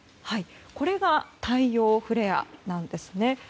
これが太陽フレアなんですね。